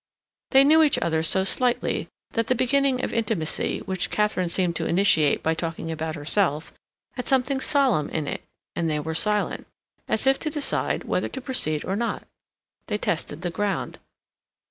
They knew each other so slightly that the beginning of intimacy, which Katharine seemed to initiate by talking about herself, had something solemn in it, and they were silent, as if to decide whether to proceed or not. They tested the ground.